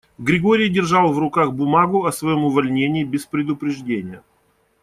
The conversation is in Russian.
Григорий держал в руках бумагу о своём увольнении без предупреждения.